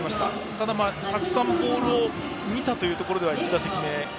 ただ、たくさんボールを見たというところでは１打席目は。